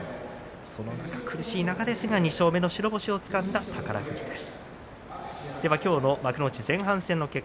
苦しい中ですが２勝目の白星をつかんだ宝富士です。